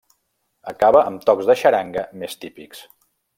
Acaba amb tocs de xaranga més típics.